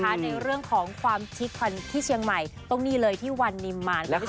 ในเรื่องของความชิควันที่เชียงใหม่ตรงนี้เลยที่วันนิมมารคุณผู้ชม